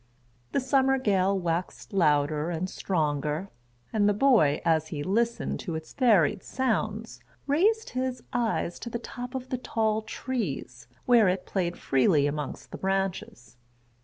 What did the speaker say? The summer gale waxed louder and stronger; and the boy, as he listened to its varied sounds, raised his eyes to the tops of the tall trees, where it played freely amongst the branches.